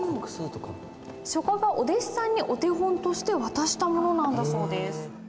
書家がお弟子さんにお手本として渡したものなんだそうです。